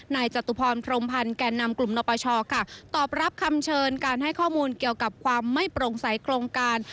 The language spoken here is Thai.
จตุพรพรมพันธ์แก่นำกลุ่มนปชค่ะตอบรับคำเชิญการให้ข้อมูลเกี่ยวกับความไม่โปร่งใสโครงการ